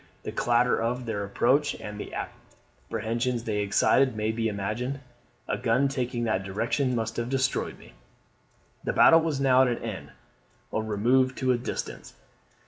The clatter of of their approach and the apprehensions they excited, may be imagined; a gun taking that direction must have destroyed me. "The battle was now at an end, or removed to a distance.